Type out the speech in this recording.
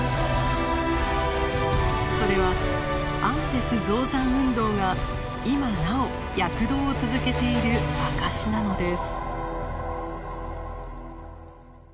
それはアンデス造山運動が今なお躍動を続けている証しなのです。